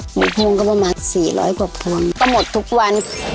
หมูพวงก็ประมาณสี่ร้อยกว่าพวงก็หมดทุกวัน